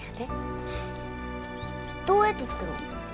どうやって作るん？